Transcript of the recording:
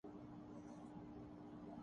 کچھ بچی ہوئی خوشبویں تنہائی کا سفر کرتی ہیں۔